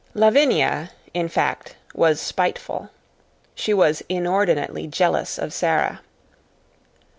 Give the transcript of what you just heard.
Lavinia, in fact, was spiteful. She was inordinately jealous of Sara.